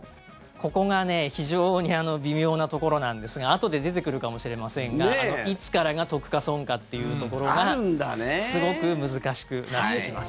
ここが非常に微妙なところなんですがあとで出てくるかもしれませんがいつからが得か損かっていうところがすごく難しくなってきます。